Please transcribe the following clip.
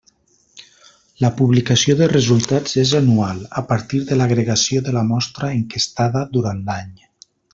La publicació de resultats és anual a partir de l'agregació de la mostra enquestada durant l'any.